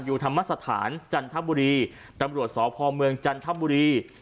ธรรมสถานจันทบุรีตำรวจสพเมืองจันทบุรี